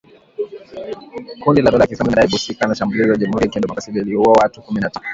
Kundi la dola ya kiislamu limedai kuhusika na shambulizi la jamhuri ya kidemokrasia lililouwa watu kumi na tano